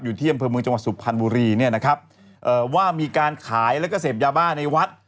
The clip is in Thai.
ที่อำเภอเมืองจังหวัดสุพรรณบุรีเนี่ยนะครับเอ่อว่ามีการขายแล้วก็เสพยาบ้าในวัด